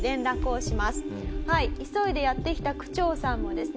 急いでやって来た区長さんもですね